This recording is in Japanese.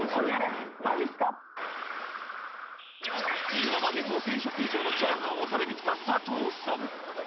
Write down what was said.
今まで５０００食以上のチャーハンを食べてきた佐藤さん。